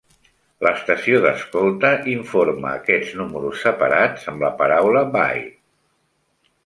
L'estació d'escolta informa aquests números separats amb la paraula "by".